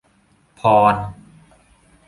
พร